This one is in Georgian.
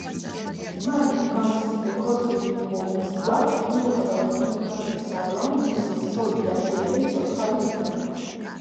მან მასზე ქორწილი მოუსრვა, მიუხედავად იმ ფაქტისა, რომ მისი ცოლი და შვილები ცოცხალი იყვნენ.